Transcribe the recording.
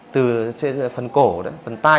từ phần cổ phần tai